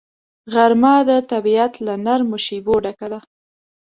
غرمه د طبیعت له نرمو شیبو ډکه ده